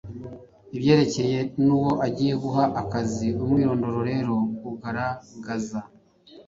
ibyerekeranye n’uwo agiye guha akazi. Umwirondoro rero ugarazagaza